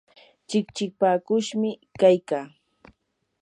chikchipakushmi kaykaa.